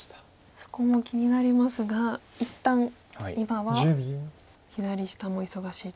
そこも気になりますが一旦今は左下も忙しいと。